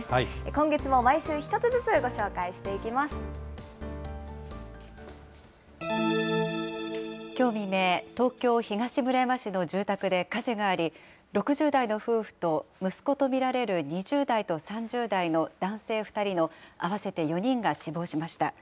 今月も毎週一つずつご紹介していきょう未明、東京・東村山市の住宅で火事があり、６０代の夫婦と息子と見られる２０代と３０代の男性２人の合わせて４人が死亡しました。